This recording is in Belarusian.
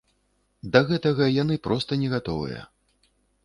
Да гэтага яны проста не гатовыя.